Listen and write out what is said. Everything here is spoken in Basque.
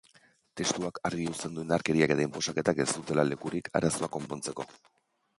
Testuak argi uzten du, indarkeriak eta inposaketak ez dutela lekurik arazoak konpontzeko.